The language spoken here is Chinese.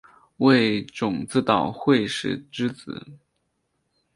为种子岛惠时之子。